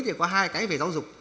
thì có hai cái về giáo dục